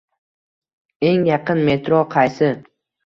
Eng yaqin metro qaysi?